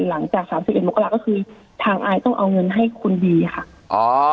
หลังจาก๓๑มกราคคือทางอายต้องเอาเงินให้คุณดีค่ะ